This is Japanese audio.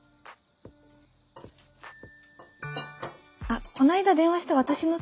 あっこの間電話した私のって。